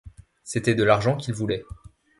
C’était de l’argent qu’ils voulaient.